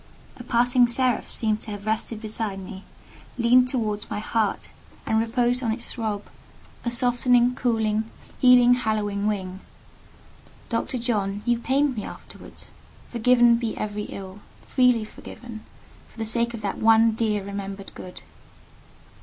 A passing seraph seemed to have rested beside me, leaned towards my heart, and reposed on its throb a softening, cooling, healing, hallowing wing. Dr. John, you pained me afterwards: forgiven be every ill—freely forgiven—for the sake of that one dear remembered good!